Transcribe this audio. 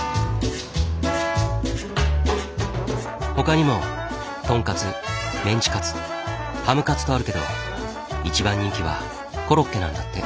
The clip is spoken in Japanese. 他にもとんかつメンチカツハムカツとあるけど一番人気はコロッケなんだって。